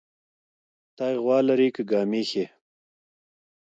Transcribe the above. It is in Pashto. تى غوا لرى كه ګامېښې؟